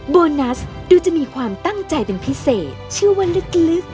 โบนัสดูจะมีความตั้งใจเป็นพิเศษเชื่อว่าลึก